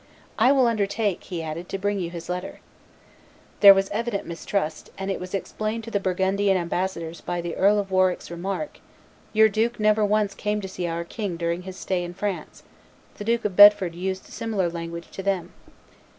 "I will undertake," he added, "to bring you his letter." There was evident mistrust; and it was explained to the Burgundian ambassadors by the Earl of Warwick's remark, "Your duke never once came to see our king during his stay in France. The Duke of Bedford used similar language to them.